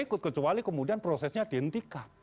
ikut kecuali kemudian prosesnya dihentikan